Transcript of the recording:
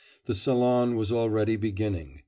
The salon was already beginning.